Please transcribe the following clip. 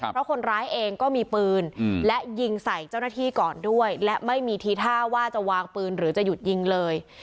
เพราะคนร้ายเองก็มีปืนและยิงใส่เจ้าหน้าที่ก่อนด้วยและไม่มีทีท่าว่าจะวางปืนหรือจะหยุดยิงเลย